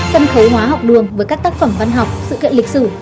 sân khấu hóa học đường với các tác phẩm văn học sự kiện lịch sử